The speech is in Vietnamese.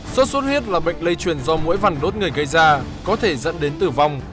sốt xuất huyết là bệnh lây truyền do mũi vằn đốt người gây ra có thể dẫn đến tử vong